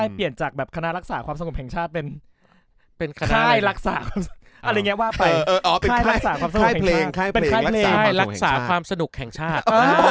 เปลี่ยนจากคณะรักษาความสนุกแห่งชาติเป็นค่ายรักษาความสนุกแห่งชาติ